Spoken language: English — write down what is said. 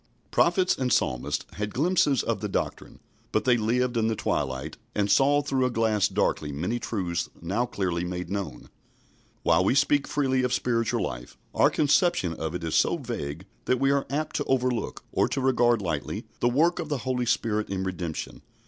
Prophets and Psalmists had glimpses of the doctrine, but they lived in the twilight, and saw through a glass darkly many truths now clearly made known. While we speak freely of spiritual life, our conception of it is so vague that we are apt to overlook, or to regard lightly, the work of the Holy Spirit in redemption.